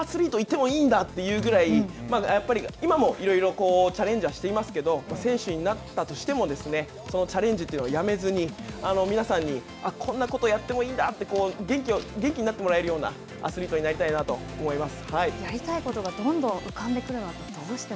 やっぱりこんなアスリートいてもいいんだというぐらい、やっぱり今もいろいろチャレンジはしていますけど、選手になったとしてもですね、そのチャレンジというのをやめずに、皆さんに、あっ、こんなことやってもいいんだって、元気になってもらえるようなアスリートになりたいなと思います。